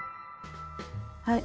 はい。